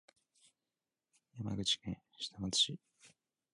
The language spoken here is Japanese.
山口県下松市